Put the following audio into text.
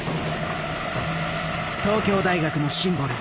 東京大学のシンボル